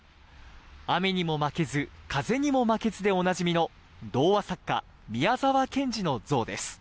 雨にも負けず風にも負けずでおなじみの童話作家・宮沢賢治の像です。